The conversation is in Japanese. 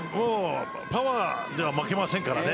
パワーでは負けませんからね